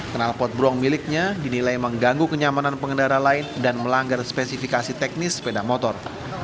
kenalpot bronk miliknya dinilai mengganggu kenyamanan pengendara lain dan melanggar spesifikasi teknis sepeda motor